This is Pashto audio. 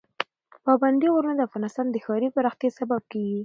پابندی غرونه د افغانستان د ښاري پراختیا سبب کېږي.